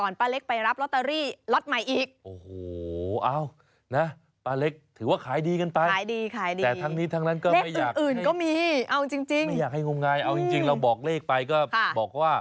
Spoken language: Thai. ป้าเล็กไม่อยากให้งมงายเอาจริงเราบอกเลขไปก็บอกว่า